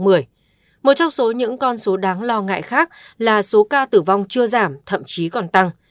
một trong số những con số đáng lo ngại khác là số ca tử vong chưa giảm thậm chí còn tăng